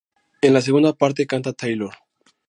En la segunda parte, canta Taylor.